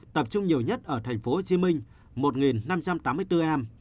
tập trung nhiều nhất ở tp hcm một năm trăm tám mươi bốn em